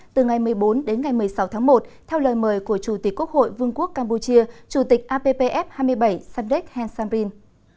từ ngày một mươi bốn đến ngày một mươi sáu tháng một theo lời mời của chủ tịch quốc hội vương quốc campuchia chủ tịch ippf hai mươi bảy sandek hensamrin